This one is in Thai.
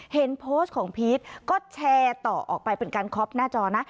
เห็นโพสต์ของพีชก็แชร์ต่อออกไปเป็นการคอปหน้าจอนะ